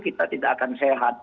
kita tidak akan sehat